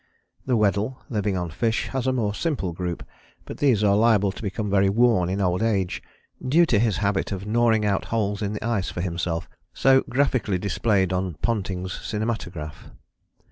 The Weddell, living on fish, has a more simple group, but these are liable to become very worn in old age, due to his habit of gnawing out holes in the ice for himself, so graphically displayed on Ponting's cinematograph.